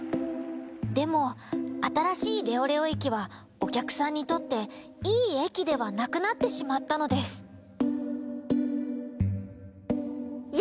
でもあたらしいレオレオえきはおきゃくさんにとっていいえきではなくなってしまったのですや